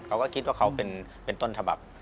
เขาก็คิดว่าเขาเป็นต้นฉบับ